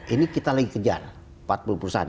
ini kita lagi kejar empat puluh perusahaan